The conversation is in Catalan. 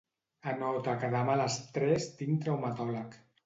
Anota que demà a les tres tinc traumatòleg.